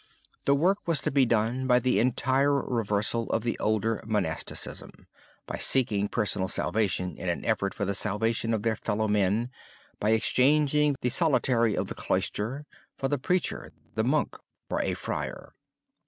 The work was to be done by the entire reversal of the older monasticism, by seeking personal salvation in effort for the salvation of their fellow men, by exchanging the solitary of the cloister for the preacher, the monk for a friar.